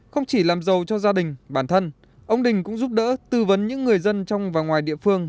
không chỉ làm giàu cho gia đình bản thân ông đình cũng giúp đỡ tư vấn những người dân trong và ngoài địa phương